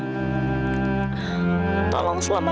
bu amar harus ke rumah